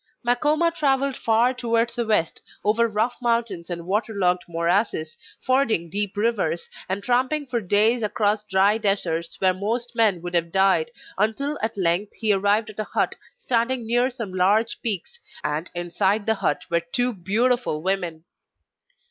Makoma travelled far towards the west; over rough mountains and water logged morasses, fording deep rivers, and tramping for days across dry deserts where most men would have died, until at length he arrived at a hut standing near some large peaks, and inside the hut were two beautiful women.